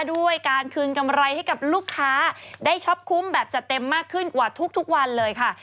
ด้วยการคืนกำไรให้กับลูกค้าได้ช็อปคุ้มแบบจัดเต็มมากขึ้นกว่าทุกวันเลยค่ะ